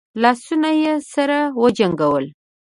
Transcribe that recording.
لاسونه يې سره وجنګول.